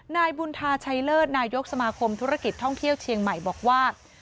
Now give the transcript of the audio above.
นายบุญธาชัยเลิศนายกสมาคมธุรกิจท่องเที่ยวเชียงใหม่บอกว่า